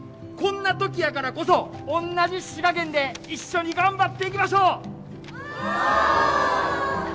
こんな時やからこそおんなじ滋賀県で一緒に頑張っていきましょう」。